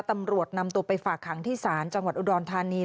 ตำรวจนำตัวไปฝากขังที่ศาลจังหวัดอุดรธานี